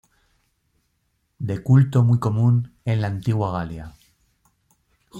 De culto muy común en la antigua Galia.